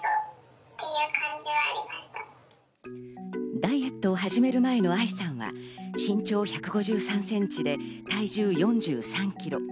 ダイエットを始める前のＩさんは身長１５３ｃｍで体重４３ｋｇ。